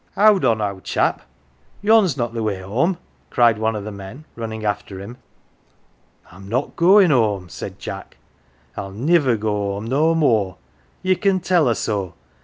" Howd on, owd chap ! Yon's not the way home !" cried one of the men, running after him. " I'm not goin" home," said Jack. " I'll niver go 130 "THE GILLY F'ERS" home no more. Ye can tell her so.